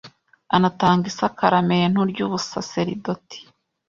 anatanga isakaramentu ry’ubusaseridoti